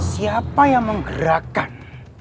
siapa yang menggerakkan